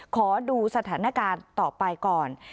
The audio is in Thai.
ขอดูสถานการณ์ต่อไปก่อน